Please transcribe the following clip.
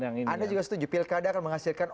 anda juga setuju pilkada akan menghasilkan